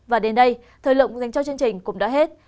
và đến đây thời lượng dành cho chương trình cũng đã hết